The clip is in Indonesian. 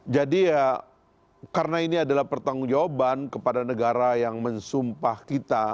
jadi ya karena ini adalah pertanggung jawaban kepada negara yang mensumpah kita